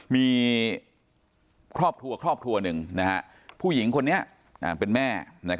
มีครอบครัวครอบครัวหนึ่งผู้หญิงคนนี้เป็นแม่